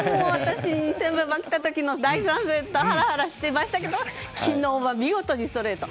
私、その第３セットハラハラしてましたけど昨日は見事にストレート。